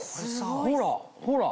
ほらほら。